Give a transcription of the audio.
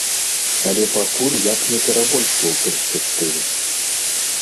Але пакуль я б не перабольшваў перспектывы.